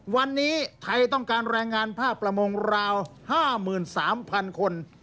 วันนี้ไทยต้องการแรงงานภาคประมงราว๕๓๐๐๐คน